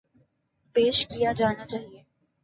ﭘﯿﺶ ﮐﯿﺎ ﺟﺎﻧﺎ ﭼﺎﮬﯿﮯ